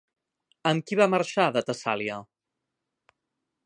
Amb qui va marxar de Tessàlia?